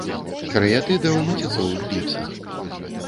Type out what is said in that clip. Карыятыда ў маціцовых кліпсах.